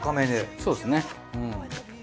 そうですね。